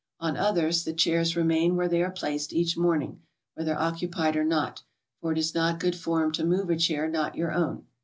On others the chairs remain where they are placed each morning, whether occupied or not, for it is not good form to move a chair not your own.